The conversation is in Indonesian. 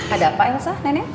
ada apa elsa nenek